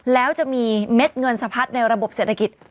แล้วจะมีเม็ดเงินสะพัดในระบบเศรษฐกิจ